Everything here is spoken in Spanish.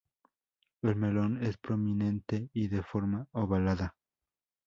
El melón es prominente y de forma ovalada.